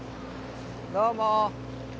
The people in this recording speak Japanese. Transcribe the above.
どうも。